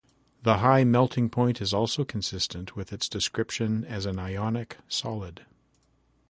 The high melting point is also consistent with its description as an ionic solid.